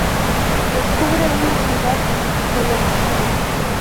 Descubre una ciudad que le fascina.